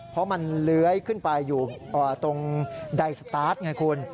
เพราะมันเลื้อยขึ้นไปอยู่ตรงใดสตาร์ทไงคุณ